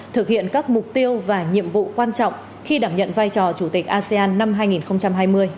thực hiện các mục tiêu và nhiệm vụ quan trọng khi đảm nhận vai trò chủ tịch asean năm hai nghìn hai mươi